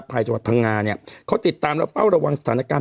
ผายจะวธภลางาเนี้ยเขาติดตามแล้วเป้าระวังสถานการณ์